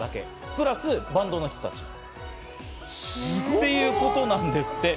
プラス、バンドの人ということなんですって。